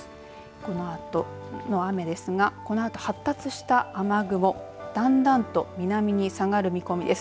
このあとの雨ですがこのあと発達した雨雲だんだんと南に下がる見込みです。